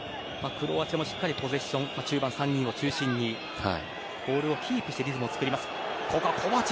クロアチアもしっかりポゼッション中盤の３人を中心にボールをキープしてリズムを作ります。